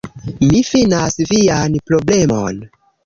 Mi finas vian problemon